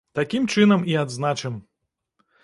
Такім чынам і адзначым!